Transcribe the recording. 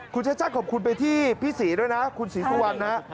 คุณชาติชาติขอบคุณไปที่พี่ศรีด้วยนะคุณศรีสุวรรณนะ